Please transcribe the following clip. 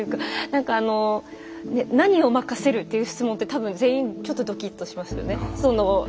何か「何を任せる」っていう質問って多分全員ちょっとドキッとしますよね。